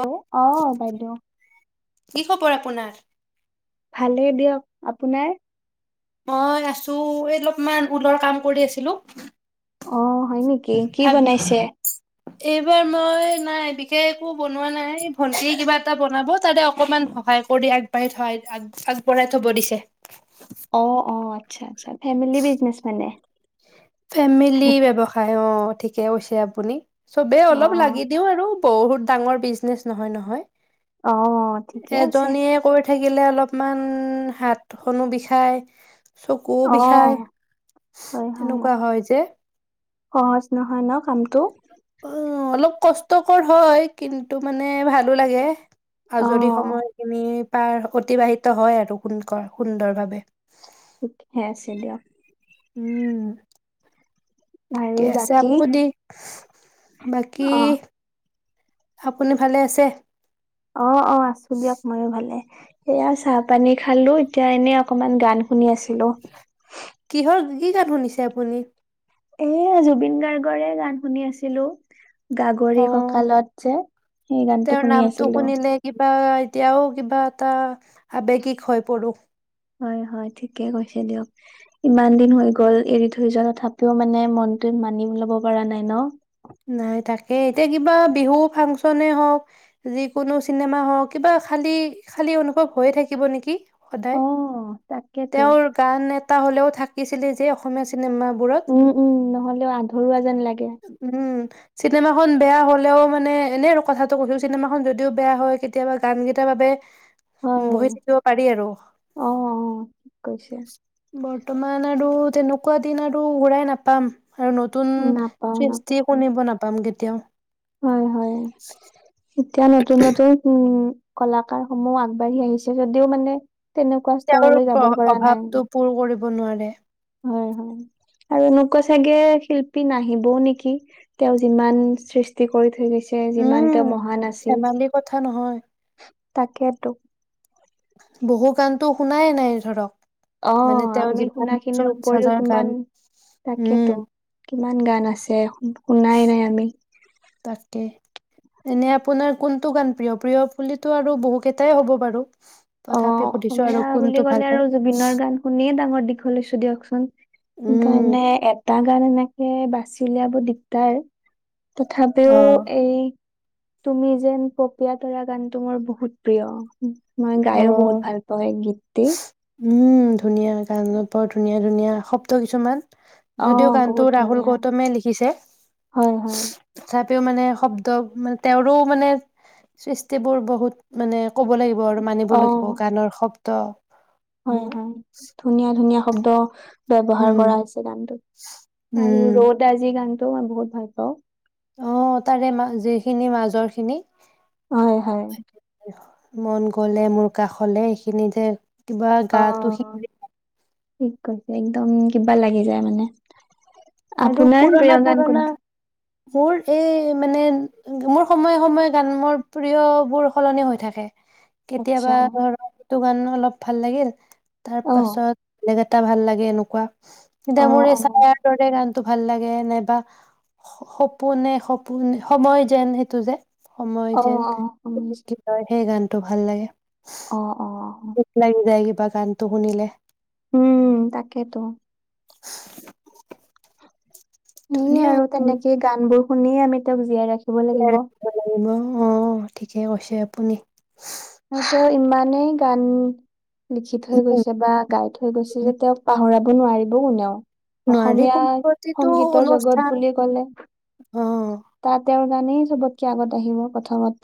Hello অ' বাইদেউ। কি খবৰ আপোনাৰ? ভালেই দিয়ক, আপোনাৰ? মই আছো এই অলপমান ঊলৰ কাম কৰি আছিলো। অ'। হয় নেকি, কি ভাব বনাইছে? এইবাৰ মই নাই বিশেষ একো বনোৱা নাই ভন্টি কিবা এটা বনাব তাৰেতে অকমান সহায় কৰি আগবাঢ়ি আগবঢ়াই থ'ব দিছে। অ অ আচ্ছা আচ্ছা। ফেমিলি বিজনেছ মানে। ফেমিলি ব্যৱসায় অ'। ঠিকে কৈছে আপুনি। চবেই অ অলপ লাগি দিওঁ আৰু। বহুত ডাঙৰ বিজনেচ নহয় নহয়। অ', ঠিকে আছে। এজনীয়ে কৰি থাকিলে অলপমান হাতখনো বিষায়। চকুও অ বিষায়। তেনেকুৱা হয় যে। সহজ নহয় ন কামটো। অ' অলপ কষ্টকৰ হয় কিন্তু মানে ভালো লাগে। অ আজৰি সময়তখিনি পাৰ অতিবাহিত হয় আৰু [unintelligible] সুন্দৰভাৱে। [unintelligible] আছে দিয়ক। উম। আৰু ঠিকে আছে বাকী আপুনি বাকী অ আপুনি ভালে আছে অঁ অঁ আছোঁ দিয়ক ময়ো ভালে সয়া চাহ পানী খালো এতিয়া এনে অকমান গান শুনি আছিলো কিহৰ কি কাত শুনিছে আপুনি এয়া জুবিন গাৰ্গৰে গান শুনি আছিলো গাগৰি অ', কঁকালত যে সেই তেওঁৰ গানটো শুনি নামটো আছিলো শুনিলে কিবা এতিয়াও কিবা এটা আবেগিক হৈ পৰো হয় হয় ঠিকে কৈছে দিয়ক ইমান উম, দিন হৈ গ'ল এৰি থ থ যোৱা তথাপিও মানে মনটো মানি লব পৰা নাই ন নাই তাকে এতিয়া কিবা বিহু ফাংচনে হওঁক যিকোনো চিনেমা হওঁক কিবা খালী খালী অনুভৱ হৈয়ে থাকিব নেকি সদায় অ তাকেতো তেওঁৰ গান এটা হ'লেওাকে থাকিছিলে যে অসমীয়া চিনেমাবোৰত উম উম নহ'লেও আধৰুৱা যেন লাগে উ চিনেমা খন বেয়া হলেও মানে এনে আৰু কথাটো কৈছো চিনেমা খন যদিও বেয়া হয় কেতিয়াবা গান কেইটাৰ বাবে হয় বহি থাকিব পাৰি আৰুৰ অ অ ঠিক কৈছে তোমমান আৰু তেনেকুৱা দিন আৰু ঘুৰাই নাপাম আৰু নতুন নাপাও নাপাও শুিব নাপাম কেতিয়াও হয়, হয় [unintelligible] উম, কলাকাৰ সমূহ আগবাঢ়ি আহিছে যদিও মানে তেনেকুৱা তেওঁৰ স্তৰলৈ যাব পৰা নাই প্ৰ-অভাৱটো পূৰ কৰিব [unintelligible] নোৱাৰে। হয় হয়। আৰু এনেকোৱা চাগে শিল্পী নাহিবওঁ নেকি, তেওঁ যিমান সৃষ্টি কৰি থৈ গৈছে। [unintelligible] উম যিমান তেওঁ মহান আছিল। ধেমালি কথা নহয় তাকেটো। বহু গানটো শুনাই নাই ধৰক। মানে অ' তেওঁ আমি যিমান শুনা খিনিৰ চল্লিশ উপৰিও, হাজাৰ গান কিমান উম তাকেতো কিমান গান আছে শুনাই নাই আমি। তাকে এনে আপোনাৰ কোনটো গান প্ৰিয় প্ৰিয় বুলিতটো আৰু বহু কেইটাই হ'ব বাৰু। অ' তথাপি সুধিছো আৰু অসমীয়া বুলি কোনটো ভাল ক'লে পায় আৰু জুবিনৰ গান শুনিয়ে ডাঙৰ দীঘল হৈছো দিয়কচোন উম সেইকাৰণে তাৰ গান এনেকে বাছি উলিয়াব দিগদাৰ। তথাপিও অ এই তুমি যেন পপিয় তৰা গানটো মোৰ প্ৰিয়। মই অ গায়ো বহুত ভাল পাওঁ। [inaudible] উম ধুনীয়া গানত বৰ ধুনীয়া ধুনীয়া শব্দ কিছুমান। অ যদিও গানটো বহুত ৰাহুল ধুনীয়া গৌতমে লিখিছে হয় হয় মানে শব্দ মানে তেওঁৰ মানে সৃষ্টি বোৰ বহুত মানে ক'ব লাগিব আৰু মানিব অ লাগিব গানৰ শব্দ। অহ। হয় হয় ধুনীয়া ধুনীয়া শব্দ উম ব্যৱহাৰ কৰা আছে গানটোত আৰু উম ৰ'দ আজি গানটো মই বহুত ভাল পাওঁ। অ' তাৰে মা যিখিনি মাজৰ খিনি হয় হয়। [inaudible] মন গ'লে মোৰ কাষলে এইখিনি যে কিবা গাটো অ', শিৰে ঠিক কৈছে একদম কিবা লাগি যায় মানে। আৰু আপোনাৰ পুৰণা প্ৰিয় গান পুৰণা কোনটো? মোৰ এই মানে মোৰ সময়ে সময়ে গান মোৰ প্ৰিয়বোৰ সলনি হৈ থাকে। আচ্ছা কেতিয়াবা ধৰক টো গান অলপ ভাল লাগিল। তাৰ অ', পাছত বেলেগ। এটা ভাল লাগে এনেকুৱা সিদা অ', মৰে অ', চায়টোত। গানটো ভাল লাগে নাইবা সপোনে, সপোন সময় যেন সেইটো যে সময় অ', যেন অ', কি হয় সেই গান। টো ভাল লাগে। অহ-অহ। দুখ লাগি যায়। বা গানটো শুনিলে। উম তাকেতো। সেয়ে ধুনীয়া আৰু তেনেকে গান বোৰ শুনি আমি তেওঁক জীয়াই ৰাখি দিব লাগিব। লাগিব অ' ঠিকে কৈছে আপুনি। তাৰপিছত ইমানেই গান। লিখি থৈ গৈছে বা গাই থৈ গৈছে যে তেওঁক পাহৰা কব নোৱাৰিব কোনেও। নোৱাৰি অসমীয়া কোনো প্ৰতিটো সংগীতৰ জগত অনুষ্ঠান বুলি ক'লে অ তাত তেওঁৰ গানেই চবতকে আগত আহিব প্ৰথমত।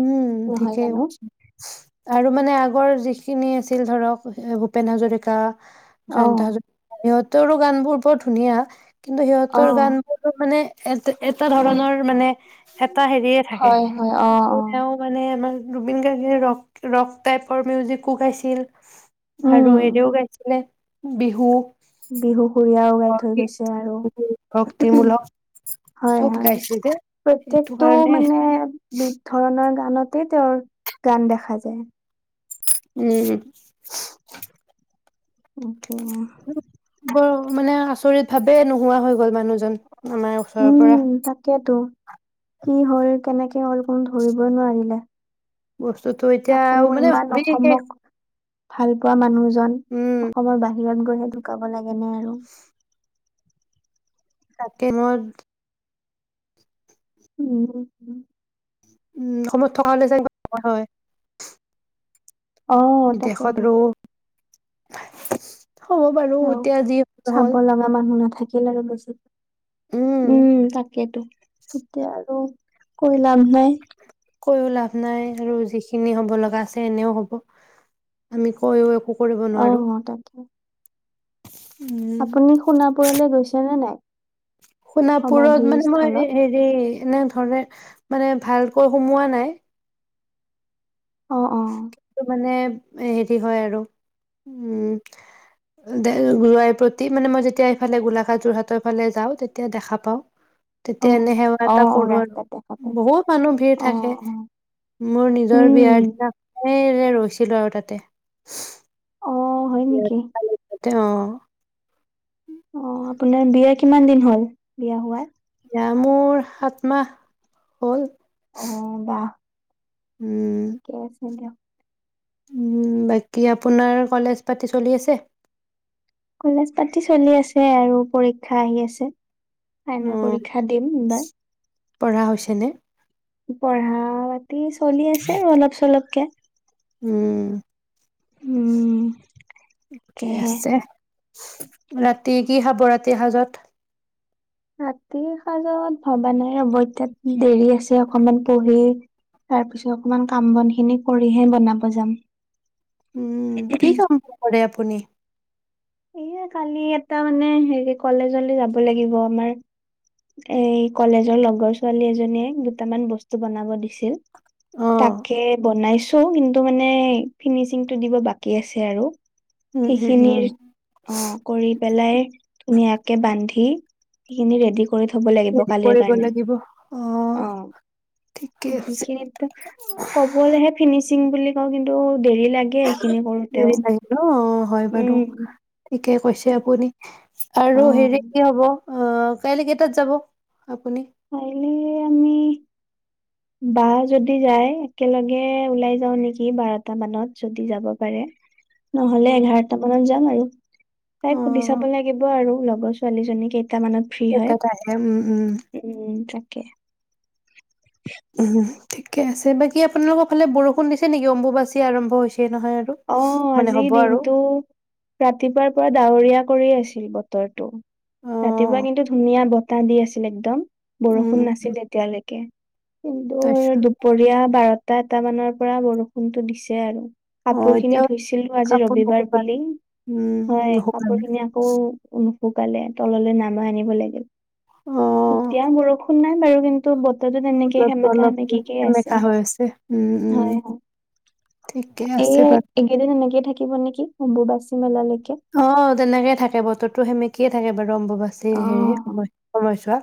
উম ঠিকেই কৈছা আৰু মানে আগৰ যিখিনি আছিল ধৰক ভূপেন হাজৰিকা। অ জয়ন্ত হাজৰিকা সত তোৰো গান বোৰ বৰ ধুনীয়া। কিন্তু অ সিহঁতৰ গানবোৰো মানে। এ এটা ধৰণৰ মানে এটা হেৰিয়ে থাকে হয়-হয়-অ', -অ'। [unintelligible] জুবিন গাৰ্গে ৰক, ৰক টাইপৰ মিউজিকো গাইছিল। আৰু উম হেৰিও গাইছিলে। বিহু। বিহু। জুবিন দাই গাই থৈ ভক্তি গৈছে আৰু ভক্তিমূলক হয়, চব হয় গাইছিল যে সেইটো প্ৰত্যেকটো কাৰণে মানে বিধ ধৰণৰ গান। আনতে তেওঁৰ গান দেখা যায়। উম'। অকে। বৰ মানে আচৰিত ভাৱে নোহোৱা হৈ গ'ল মানুহজন। আমাৰ ওচৰৰ পৰা। উম তাকেতো কি হল কেনেকে হল কোনোৱে ধৰিবই নোৱাৰিলে। বস্তুতটো এতিয়া তাকো মানে ইমান ভাবিলে অসমক ভাল পোৱা মানুহ আছিল। জন অসমৰ বাহিৰে [unintelligible] গৈ ঢুকাব লাগে ন আৰু। তাকে মোৰ উম হম। উম অসমত থকা হ'লে যে নহ'ল হয়। অ'‌ বিদেশত তাকেইটো। আৰু [inaudible] হ'ব বাৰু এতিয়া যি চাব হ'ল। লগা [unintelligible] আৰু বেছি উম, তাকেতো। এতিয়া আৰু কৈ লাভ নাই। কৈওঁ লাভ নাই আৰু যিখিনি হ'ব লগা আছে এনেও হ'ব, আমি কৈওঁ একো কৰিব নোৱাৰোঁ। অ', তাকে। আপুনি সোণাপুৰলে গৈছে নে নাই? সমাধি সোণাপুৰত মানে মই স্থলত? হেৰি এনে ধৰে মানে ভালকৈ সোমোৱা নাই। অ', অ'। কিন্তু মানে হেৰি হয় আৰু, উম যোৱাই প্ৰতি মানে মই যেতিয়া এইফালে গোলাঘাট যোৰহাটৰ ফালে যাওঁ তেতিয়া দেখা পাওঁ, তেতিয়া অ', এনে সেৱা এটা অ', অ', কৰো আৰু, ৰাস্তাত দেখা পাই। বহুত মানুহ ভিৰ অ', থাকে অ', মোৰ নিজৰ উম। বিয়াৰ এই ৰৈছিলো আৰু তাতে। অ', হয় নেকি? তেওঁ অ' আপোনাৰ বিয়া কিমান দিন হ'ল, বিয়া হোৱাৰ? বিয়া মোৰ সাত মাহ হ'ল। উম ঠিকেই কে আছে দিয়া। উম, বাকী আপোনাৰ কলেজ পাতি চলি আছে? কলেজ পাতি চলি আছে আৰু পৰীক্ষা আহি আছে। অ ফাইনেল পৰীক্ষা দিম ইবাৰ। পঢ়া হৈছেনে? পঢ়া চলি আছে অলপ চলপকে। উম। উম, [unintelligible] কে তাকেহে। আছে। ৰাতি কি খাব ৰাতি সাঁজত? ৰাতিৰ সাঁজত ভবা নাই ৰ'ব ইতা দেৰি আছে অকমান পঢ়ি তাৰপিছত অকমান কাম বন খিনি কৰিহে বনাব যাম। উম, কি [inaudible] আপুনি। এয়া কালি এটা মানে হেৰি কলেজলৈ যাব লাগিব আমাৰ, এই কলেজৰ লগৰ ছোৱালী এজনীয়ে দুটামান বস্তু বনাব দিছিল। অ তাকে বনাইছো। ত' কিন্তু মানে ফিনিচিং টো দিব বাকী আছে আৰু। উম', উম', সেইখিনিৰ উম'। অ' কৰি পেলাই ধুনীয়াকে বান ন্ধি সেইখিন ৰেডি থব লাগিব হেৰি কালিৰ কৰিব কাৰনে। লাগিব। অ', ঠিকে আছে। সেইখিনিত কবলে হে ফিনিছ দিম বুলি কওঁ কিন্তু দেৰি লাগে সেইখিনি হেৰি কৰোতেও লাগে ন অ', হয় বাৰু উম। ঠিকে কৈছে আপুনি। আৰু হেৰি অহ হ'ব। অ', কাইলৈ কেইটাত যাব? আপুনি কাইলে আমি বা যদি যায় একেলগে ওলাই যাও নেকি? বাৰটা মানত, যদি যাব পাৰে। নহলে এঘাৰটা মানত যাম আৰু তাইক সুধি চাব অ', লাগিব আৰু লগৰ ছোৱালীজনীক এটা টাইম উম, উম। উম তাকে উমহো। ঠিকে আছে বাকী আপোনালোকৰ ফালে বৰষুণ দিছে নেকি? অম্বুবাচী আৰম্ভ হৈছে নহয় আৰু। অ', মানে আজিৰ হ'ব আৰু দিনটো ৰাতিপুৱাৰ পৰা ডাৱৰীয়া কৰি আছিল বতৰটো, ৰাতিপুৱা অ', কিন্তু ধুনীয়া বতাহ দি আছিল একদম। উম, বৰষুণ নাছিল এতিয়ালৈকে। কিন্ত তাৰপিছত দুপৰীয়া বাৰ দুটা এটা মানৰ পৰা বৰষুণটো দিছে আৰু। অ', কাপোৰ খিনি এতিয়াও ধুইছিলো আজি কাপোৰ ৰবিবাৰ নুশুকালে বুলি, উম, হয়। কাপোৰ নুশুকালে খিনি আকৌ শুকালে তললৈ নামাই আনিব লাগিব। এতিয়া বৰষুণ নাই আৰু কিন্তু [unintelligible] তেনেকে বতৰতো সেমেকা অলপ সেমেকিকে আছে। সেমেকা হৈ আছে। উম, উম। হয় হয় ঠিকে এই আছে বাৰু এইকেইদিন এনেকেই থাকিব নেকি? অম্বুবাচি মেলা লৈকে। অ' তেনেকে থাকে বতৰতো সেমেকিয়ে থাকে বাৰু অম্বুবাচী সে সেই অ'। সময় সময় চোৱা।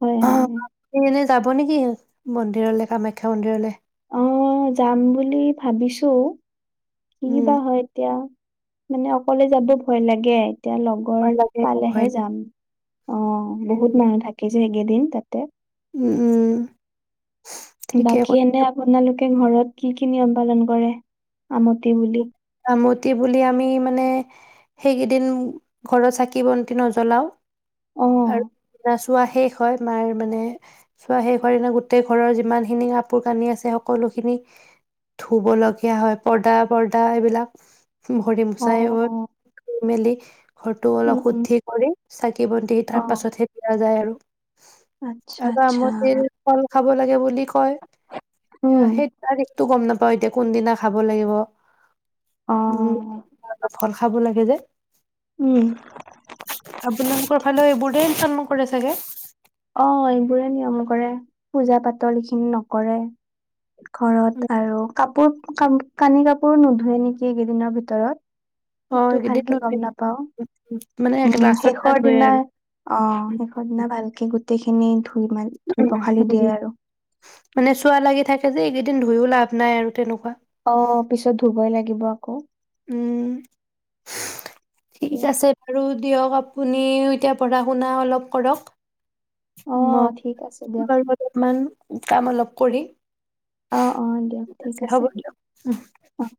হয়, হয়। যাব নেকি মন্দিৰলৈ কামাখ্যা মন্দিৰলৈ? অ' যাম বুলি ভাবিছো। কি উম বা হয় এতিয়া? মানে অকলে যাব ভয় লাগে এতিয়া লগৰ ভয় লাগে ভয় পালেহে লাগে যাম। অ, বহুত মানুহ থাকে এইকেইদিন দিন তাতে উম। ঠিকে বাকী কৈছা এনে আপোনালোকে ঘৰত কি কি নিয়ম পালন কৰে? আমতি বুলি আমতি বুলি আমি মানে সেইকেইদিন ঘৰৰ চাকি, বন্তি নজ্বলাও আৰু অ', ৰস চোৱা শেষ হয় মাৰ মানে চোৱা শেষ হয়োৱাৰ দিনা গোটেই ঘৰৰ যিমানখিনি কাপোৰ কানি আছে সকলোখিনি ধুবলগীয়া হয়। পৰ্দা পৰ্দা এইবিলাক ভৰি অ', মছাই অ', [unintelligible] মেলি ঘৰটো উম, অলপ উম, শুদ্ধি কৰি সা চাকি বন্তি তাৰ অ', পাছতহে দিয়া যায় আৰু। আচ্ছা, আৰু আচ্ছা। আমতিৰ ফল খাব লাগে বুলি কয়। উম, অ সেই [unintelligible] টো গম নাপাওঁ এতিয়া কোনদিনা খাব লাগিব। উ অ', [inaudible] ফল খাব লাগে যে। উম, আপোনালোকৰ ফালেও এইবোৰ দে [unintelligible] নকৰে চাগে? অ' এইবোৰে নিয়ম কৰে, পূজা পাতল এইখিনি নকৰে। ঘৰত আৰু কাপোৰ [unintelligible] কানি কাপোৰ নোধোৱে নেকি এইকেইদিনৰ ভিতৰত অ সেইটো এইকেইদিন ভালকে নুধুৱে গম নাপাও, মানে একে উম লাষ্টৰ শেষৰ ধুৱে দিনা আৰু অ' শেষৰ দিনা ভালকে সিখিনি উম মানে চোৱা লাগি থাকে যে এইকেইদিন ধুইও লাভ নাই আৰু তেনেকুৱা। অ' পিছত ধুবই লাগিব আকৌ। উম। ঠিক আছে বাৰু। দিয়ক আপুনি এতিয়া পঢ়া শুনা অলপ কৰক। অ ম ঠিক আছে দিয়ক তোমাৰ অলপমান কাম অলপ কৰি অ' অ' দিয়ক ঠিক হ'ব আছে দিয়ক অ'।